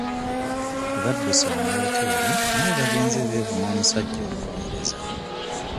Badduse mu wooteri naye bagenze beevuma omusajja omuweereza.